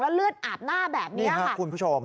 แล้วเลือดอ่าบหน้าแบบเนี้ยค่ะคุณผู้ชม